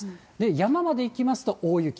山までいきますと大雪。